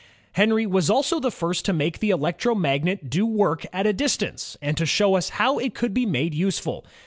Henry was also the first to make the electromagnet do work at a distance, and to show us how it could be made useful.